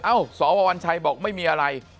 สววัญชัยบอกไม่มีอะไร